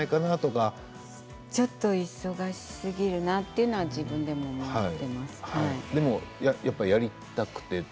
ちょっと忙しすぎるんじゃないかと自分でも思っています。